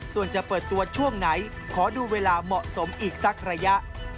ส่วนจะเปิดตัวช่วงไหนขอดูเวลาเหมาะสมอีกสักระยะ